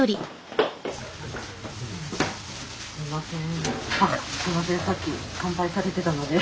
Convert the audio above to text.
すみません。